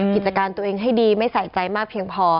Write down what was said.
กิจการตัวเองให้ดีไม่ใส่ใจมากเพียงพอ